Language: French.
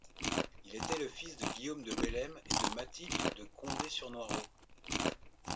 Il était le fils de Guillaume de Bellême et de Mathilde de Condé-sur-Noireau.